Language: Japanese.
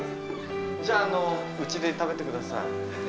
じゃあうちで食べてください。